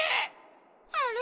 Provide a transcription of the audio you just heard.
あれ？